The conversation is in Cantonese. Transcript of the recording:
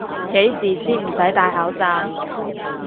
幾時先唔使戴口罩？